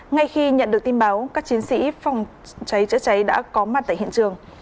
ngay khi nhận được tin báo các chiến sĩ phòng cháy chữa cháy đã có mặt tại hiện trường